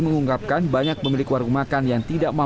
mengungkapkan banyak pemilik warung makan yang tidak mampu